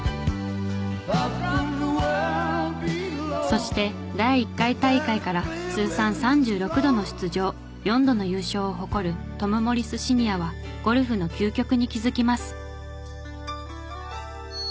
そして第１回大会から通算３６度の出場４度の優勝を誇るトム・モリス・シニアはゴルフの究極に気づきます。